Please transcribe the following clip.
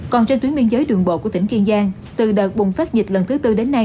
còn trên tuyến biên giới đường bộ của tỉnh kiên giang từ đợt bùng phát dịch lần thứ tư đến nay